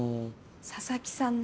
佐々木さんね。